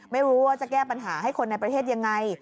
ไม่รู้ว่าจะแก้ปัญหาให้คนในประเทศยังไง